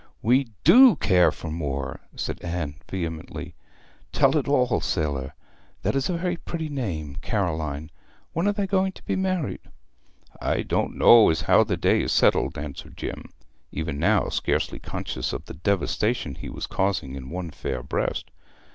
'We do care for more!' said Anne vehemently. 'Tell it all, sailor. That is a very pretty name, Caroline. When are they going to be married?' 'I don't know as how the day is settled,' answered Jim, even now scarcely conscious of the devastation he was causing in one fair breast.